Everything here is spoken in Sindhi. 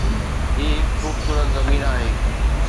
هي هڪ خوبصورت زمين آهي.